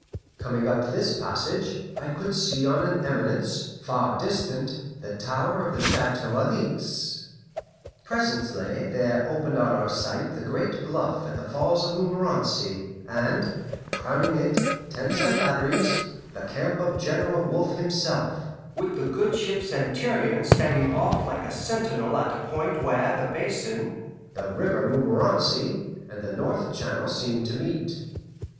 Coming up this passage, I could see on an eminence, far distant, the tower of the Chateau Alixe. Presently there opened on our sight the great bluff at the Falls of Montmorenci, and, crowning it, tents and batteries, the camp of General Wolfe himself, with the good ship Centurion standing off like a sentinel at a point where the Basin, the River Montmorenci, and the North Channel seem to meet.